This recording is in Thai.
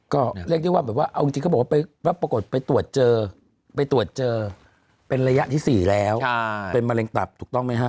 ก็เรียกได้ว่าแบบว่าเอาจริงเขาบอกว่าปรากฏไปตรวจเจอไปตรวจเจอเป็นระยะที่๔แล้วเป็นมะเร็งตับถูกต้องไหมฮะ